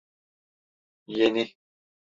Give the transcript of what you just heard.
Yeni.